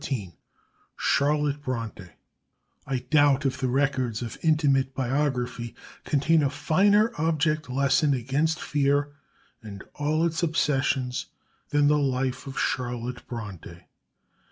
XIII CHARLOTTE BRONTE I doubt if the records of intimate biography contain a finer object lesson against fear and all its obsessions than the life of Charlotte Bronte.